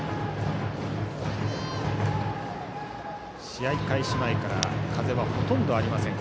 試合開始前から風はほとんどありません